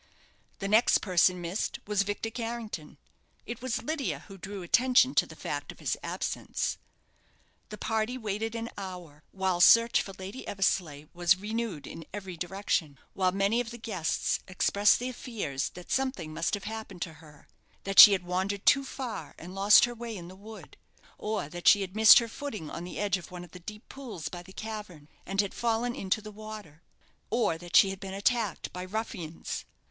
The next person missed was Victor Carrington. It was Lydia who drew attention to the fact of his absence. The party waited an hour, while search for Lady Eversleigh was renewed in every direction, while many of the guests expressed their fears that something must have happened to her that she had wandered too far, and lost her way in the wood or that she had missed her footing on the edge of one of the deep pools by the cavern, and had fallen into the water or that she had been attacked by ruffians.